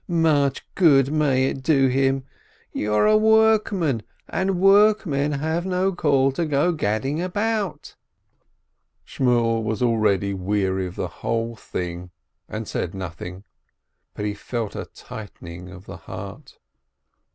Much good may it do him ! You're a workman, and work men have no call to go gadding about !" 362 S. LIBIN Shmuel was already weary of the whole thing, and said nothing, but he felt a tightening of the heart.